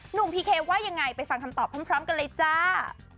พีเคว่ายังไงไปฟังคำตอบพร้อมกันเลยจ้า